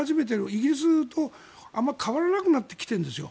イギリスとあまり変わらなくなってきているんですよ。